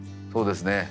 そうですね